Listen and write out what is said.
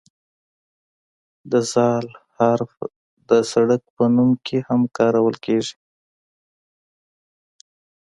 د "ذ" حرف د سړک په نوم کې هم کارول کیږي.